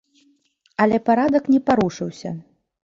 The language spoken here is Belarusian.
Але парадак не парушыўся.